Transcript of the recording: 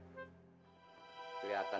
dia gitu saja